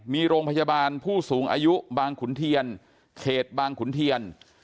มีโรงพยาบาลผู้สูงอายุบางขุนเทียนเขตบางขุนเทียน